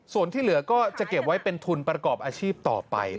ส่วนที่เหลือก็จะเก็บไว้เป็นทุนประกอบอาชีพต่อไป